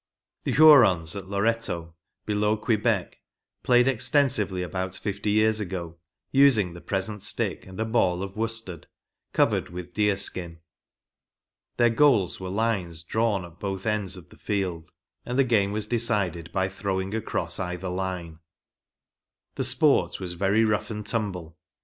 The Ilurons at Loretto, below Quebec, played extensively about fifty years ago, using the present stick and a ball of worsted, covered with deer skin. Their goals were lines drawn at both ends of the field, and game was decided by throwing across either line. The sport was very rough and tumble.